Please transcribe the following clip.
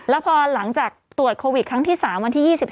แล้วพอหลังจากตรวจโควิดครั้งที่๓วันที่๒๔